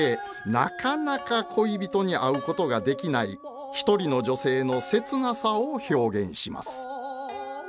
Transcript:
なかなか恋人に会うことができない一人の女性の切なさを表現します。